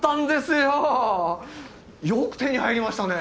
よく手に入りましたね！